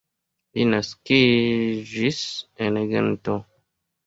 Li naskiĝis en Gento.